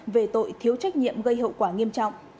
về tội thiếu trách nhiệm gây hậu quả nghiêm trọng